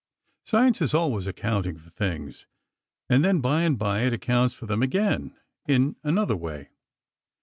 "Science is always accounting for things, and then by and by, it accounts for them again, in another way."